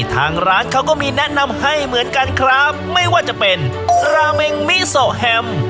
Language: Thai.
ทางร้านเขาก็มีแนะนำให้เหมือนกันครับไม่ว่าจะเป็นราเมงมิโซแฮม